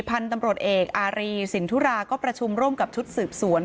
พันธุ์ตำรวจเอกอารีสินทุราก็ประชุมร่วมกับชุดสืบสวน